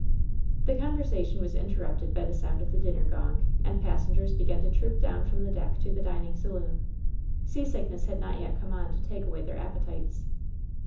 The conversation was interrupted by the soimd of the dinner gong, and passengers began to troop down from the deck to the dining saloon. Seasickness had not yet come on to take away their appetites.